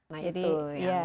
nah itu ya